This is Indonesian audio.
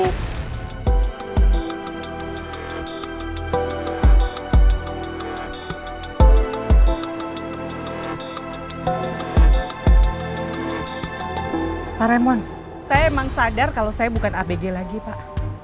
pak remon saya emang sadar kalau saya bukan abg lagi pak